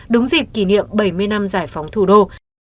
đúng dịp kỷ niệm bảy mươi năm giải phóng thủ đô